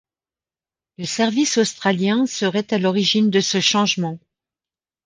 Le service australien, serait à l'origine de ce changement.